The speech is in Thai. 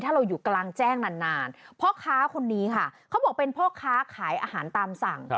ถ้าเราอยู่กลางแจ้งนานพ่อค้าคนนี้ค่ะเขาบอกเป็นพ่อค้าขายอาหารตามสั่ง